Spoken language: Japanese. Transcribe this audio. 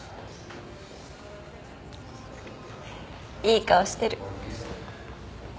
いい顔してる。